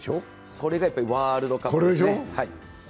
それがワールドカップですね。